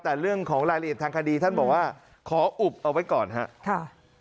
แต่เรื่องของรายละเอียดทางคดีท่านบอกว่าขออุบเอาไว้ก่อนครับ